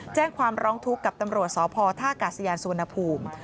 แจ้งความร้องทุกข์กับตำรวจสพท่ากาศยานสุวรรณภูมิ